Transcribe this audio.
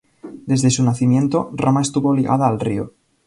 Desde su nacimiento, Roma estuvo ligada al río.